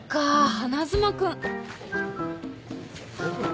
花妻君。